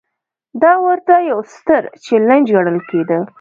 دا ورته یو ستر چلنج ګڼل کېده.